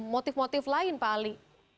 motif motif lain pak ali